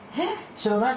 知らない？